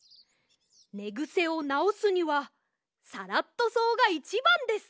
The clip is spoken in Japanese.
ねぐせをなおすにはサラットそうがいちばんです。